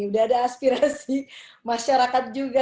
udah ada aspirasi masyarakat juga